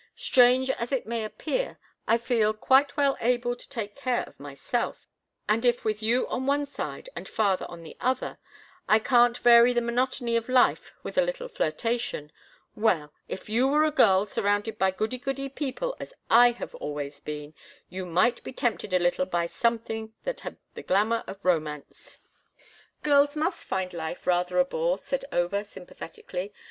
Strange as it may appear, I feel quite well able to take care of myself, and if with you on one side and father on the other I can't vary the monotony of life with a little flirtation—well, if you were a girl, surrounded by goody goody people as I have always been, you might be tempted a little way by something that had the glamour of romance." "Girls must find life rather a bore," said Over, sympathetically.